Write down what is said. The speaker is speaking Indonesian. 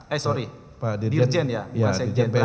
eh sorry dirjen ya bukan sajen